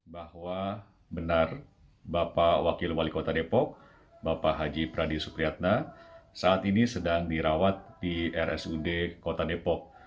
bahwa benar bapak wakil wali kota depok bapak haji pradi supriyatna saat ini sedang dirawat di rsud kota depok